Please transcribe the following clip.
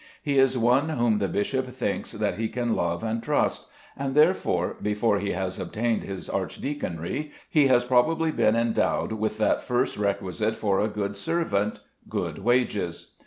He is one whom the bishop thinks that he can love and trust; and therefore, before he has obtained his archdeaconry, he has probably been endowed with that first requisite for a good servant good wages.